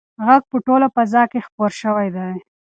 غږ په ټوله فضا کې خپور شوی دی.